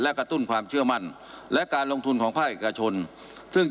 และกระตุ้นความเชื่อมั่นและการลงทุนของภาคเอกชนซึ่ง